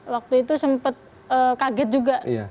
waktu itu sempat kaget juga